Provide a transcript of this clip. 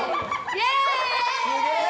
イエーイ！